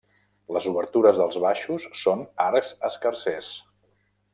Les obertures dels baixos són arcs escarsers.